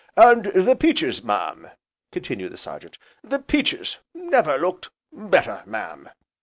"And the peaches, mam," continued the Sergeant, "the peaches never looked better, mam."